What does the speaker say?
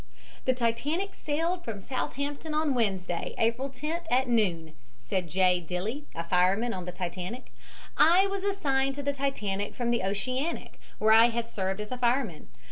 "The Titanic sailed from Southampton on Wednesday, April 10th, at noon," said J. Dilley, fireman on the Titanic. "I was assigned to the Titanic from the Oceanic, where I had served as a fireman.